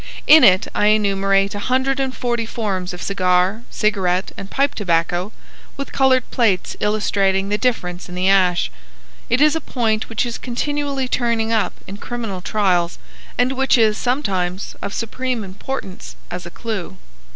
In it I enumerate a hundred and forty forms of cigar , cigarette , and pipe tobacco, with coloured plates illustrating the difference in the ash. It is a point which is continually turning up in criminal trials, and which is sometimes of supreme importance as a clue.